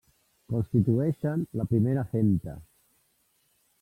Constitueixen la primera femta.